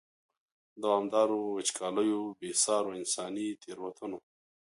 دوامدارو وچکالیو، بې سارو انساني تېروتنو.